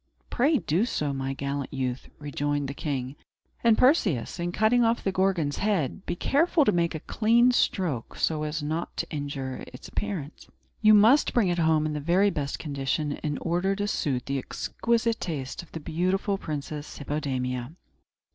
"Pray do so, my gallant youth," rejoined the king. "And, Perseus, in cutting off the Gorgon's head, be careful to make a clean stroke, so as not to injure its appearance. You must bring it home in the very best condition, in order to suit the exquisite taste of the beautiful Princess Hippodamia."